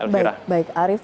baik baik arief